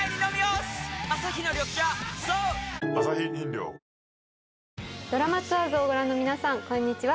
アサヒの緑茶「颯」『ドラマツアーズ』をご覧の皆さんこんにちは。